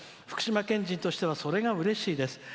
福島県人としてはそれがうれしいです。